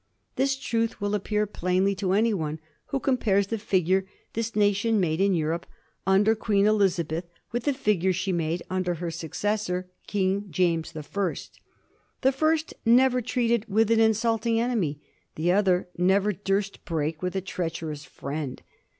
This truth will appear plainly to any one who compares the figure this nation made in Europe under Queen Elizabeth with the figure she made under her successor, King James the First. The first never treated with an insulting enemy; the other never durst break with a treacherous friend.